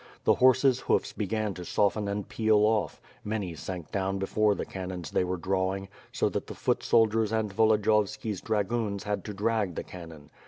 The horses' hoofs began to soften and peel off; many sank down before the cannons they were drawing, so that the foot soldiers and Volodiyovski's dragoons had to drag the cannon.